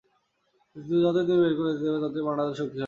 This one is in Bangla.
কিন্তু যতই তুমি বের হতে দেবে, ততই পান্ডাটা শক্তিশালী হবে।